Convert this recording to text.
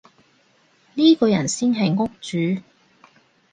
呢個人先係屋主